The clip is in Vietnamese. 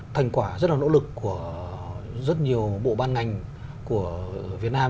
thành quả rất là nỗ lực của rất nhiều bộ ban ngành của việt nam